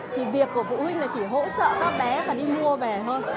thì việc của phụ huynh là chỉ hỗ trợ các bé và đi mua về hơn